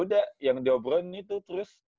udah yang diobrolin itu terus